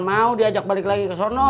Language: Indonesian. mau diajak balik lagi ke sana